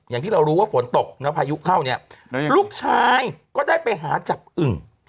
อย่างที่เรารู้ว่าฝนตกแล้วพายุเข้าเนี่ยลูกชายก็ได้ไปหาจับอึ่ง